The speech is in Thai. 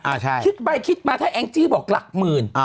โอเคคิดไปถ้าแองจิบอกหลักหมื่น